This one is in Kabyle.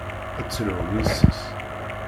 Ad d-telhum yes-s.